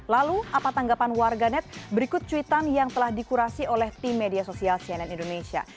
lalu apa tanggapan warga net berikut cuitan yang telah dikurasi oleh tim media sosial cnn indonesia